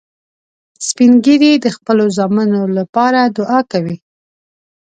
سپین ږیری د خپلو زامنو لپاره دعا کوي